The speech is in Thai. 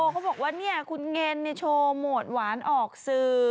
เขาบอกว่าเนี่ยคุณเงินเนี่ยโชว์โหมดหวานออกสื่อ